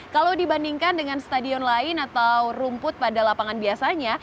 kalau dibandingkan dengan stadion lain atau rumput pada lapangan biasanya